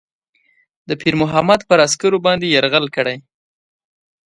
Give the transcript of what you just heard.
د پیرمحمد پر عسکرو باندي یرغل کړی.